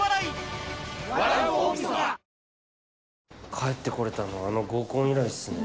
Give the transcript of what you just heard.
帰って来れたのあの合コン以来っすね。